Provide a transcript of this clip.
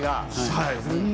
はい。